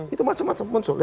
itu macam macam muncul